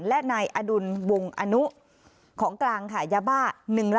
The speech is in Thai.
และนายอดุลวงอนุของกลางขายบ้า๑๒๐๐๐๐๐เมตร